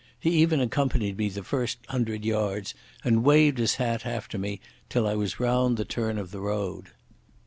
He even accompanied me the first hundred yards, and waved his hat after me till I was round the turn of the road.